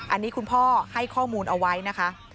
อันนี้คุณพ่อให้ข้อมูลเอาไว้นะคะ